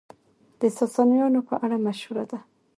د ساسانيانو په اړه مشهوره ده،